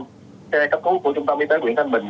xe cập cứu của trung tâm y tế nguyễn thanh bình